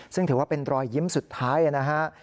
ซึ่งถือว่าเป็นรอยยิ้มสุดท้ายนะฮะ